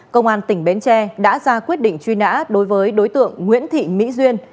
công an tỉnh bến tre đã ra quyết định truy nã đối với đối tượng nguyễn thị mỹ duyên